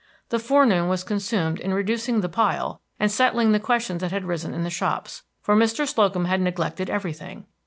The forenoon was consumed in reducing the pile and settling the questions that had risen in the shops, for Mr. Slocum had neglected everything.